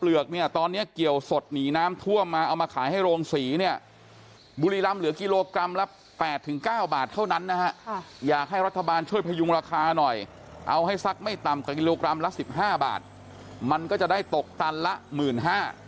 เอาให้ซักไม่ต่ำกิโลกรัมละสิบห้าบาทมันก็จะได้ตกตันละหมื่นห้า